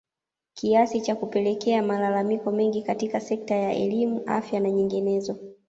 kiasi cha kupelekea malalamiko mengi katika sekta ya elimu afya na nyinginezo